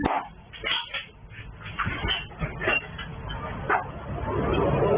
แบบนี้พูดต่างเกี่ยวกันด้วย